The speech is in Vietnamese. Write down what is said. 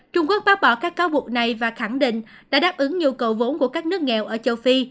trung quốc bác bỏ các cáo buộc này và khẳng định đã đáp ứng nhu cầu vốn của các nước nghèo ở châu phi